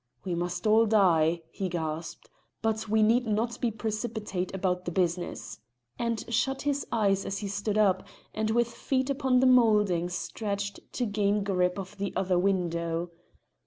"We must all die," he gasped, "but we need not be precipitate about the business," and shut his eyes as he stood up, and with feet upon the moulding stretched to gain grip of the other window.